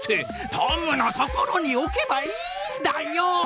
トムの所に置けばいいんだよ！